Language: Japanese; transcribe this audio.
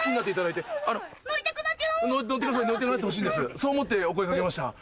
そう思ってお声掛けました。